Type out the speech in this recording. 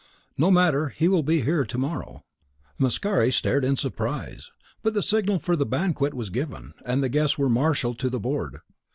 "No matter; he will be here to morrow." Mascari stared in surprise; but the signal for the banquet was given, and the guests were marshalled to the board.